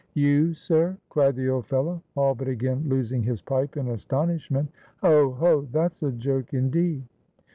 "You, sir!" cried the old fellow, all but again losing his pipe in astonishment. "Ho, ho! That's a joke indeed!"